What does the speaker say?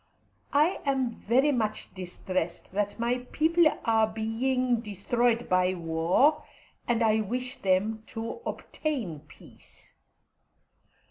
I am very much distressed that my people are being destroyed by war, and I wish them to obtain peace.